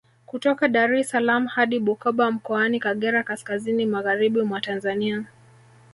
Kutoka Dar es salaam hadi Bukoba Mkoani Kagera kaskazini Magharibi mwa Tanzania